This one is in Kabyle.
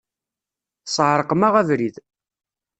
Tesεerqem-aɣ abrid.